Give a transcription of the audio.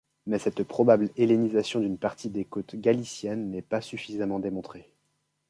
Mais cette probable hellénisation d'une partie des côtes galiciennes n'est pas suffisamment démontrée.